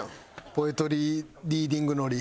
ポエトリーリーディングノリ。